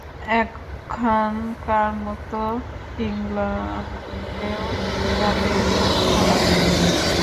এখানকার মত ইংলণ্ডেও জাতের খুব কড়াকড়ি।